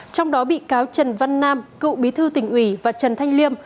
trong đó bị cáo trần văn nam cựu bí thư tỉnh ủy và trần thanh liêm